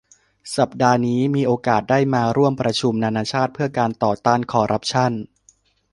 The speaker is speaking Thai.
สัปดาห์นี้มีโอกาสได้มาร่วมประชุมนานาชาติเพื่อการต่อต้านคอร์รัปชั่น